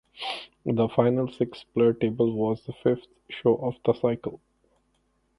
The final six-player table was the fifth show of the cycle.